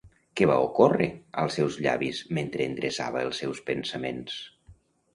Què va ocórrer als seus llavis mentre endreçava els seus pensaments?